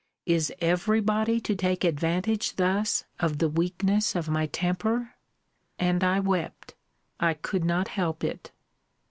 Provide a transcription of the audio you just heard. Is every body to take advantage thus of the weakness of my temper? And I wept. I could not help it.